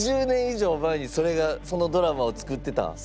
２０年以上前にそれがそのドラマを作ってた。